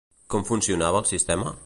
Com funcionava el sistema?